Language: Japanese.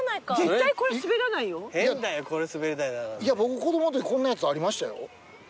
僕子供のときこんなやつありましたよ。